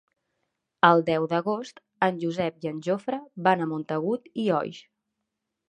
El deu d'agost en Josep i en Jofre van a Montagut i Oix.